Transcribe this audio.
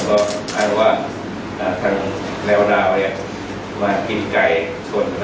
ก็ให้ว่าท่านแลวดาวมากินไก่ชน